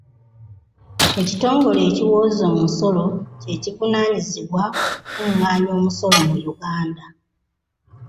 Ekitongole ekiwooza omusolo kye kivunaanyizibwa ku kukungaanya omusolo mu Uganda.